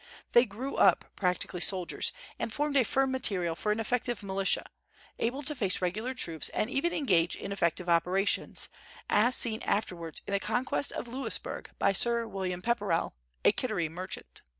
They grew up practically soldiers, and formed a firm material for an effective militia, able to face regular troops and even engage in effective operations, as seen afterwards in the conquest of Louisburg by Sir William Pepperell, a Kittery merchant.